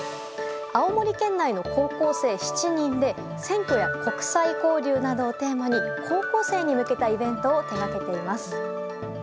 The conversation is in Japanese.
青森県内の高校生７人で選挙や国際交流などをテーマに高校生に向けたイベントを手がけています。